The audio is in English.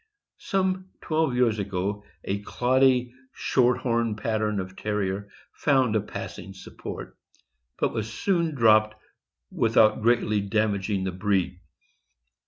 Some twelve years ago a cloddy, short horn pattern of Ter rier found a passing support, but was soon dropped with out greatly damaging the breed.